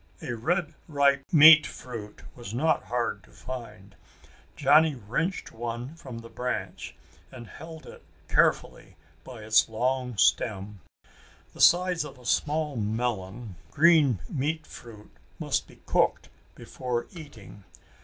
A red, ripe meat fruit was not hard to find. Johnny wrenched one from the branch and held it carefully by its long stem. The size of a small melon, green meat fruit must be cooked before eating.